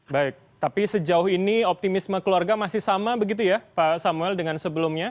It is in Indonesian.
baik tapi sejauh ini optimisme keluarga masih sama begitu ya pak samuel dengan sebelumnya